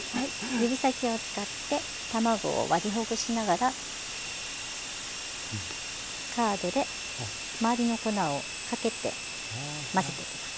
指先を使って卵を割りほぐしながらカードで周りの粉をかけて混ぜていきます。